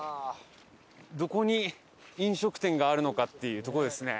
どこに飲食店があるのかっていうとこですね。